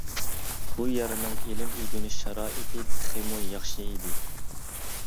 بۇ يەرنىڭ ئىلىم ئۆگىنىش شارائىتى تېخىمۇ ياخشى ئىدى.